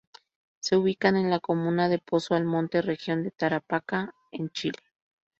Se ubican en la comuna de Pozo Almonte, Región de Tarapacá, en Chile.